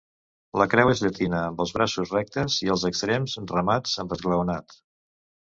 La creu és llatina amb els braços rectes i extrems remats amb esglaonat.